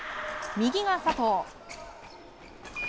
右が佐藤。